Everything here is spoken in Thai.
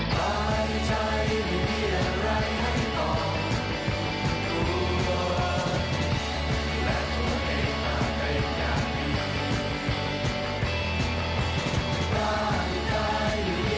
ปลายใช้มีอะไรให้ต่อรู้ว่าแม้ตัวเองมาก็ยังอย่างดี